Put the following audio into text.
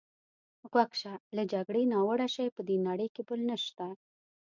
غوږ شه، له جګړې ناوړه شی په دې نړۍ کې بل نشته.